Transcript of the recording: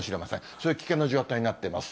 そういう危険な状態になってます。